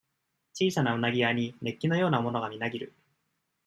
小さな鰻屋に、熱気のようなものがみなぎる。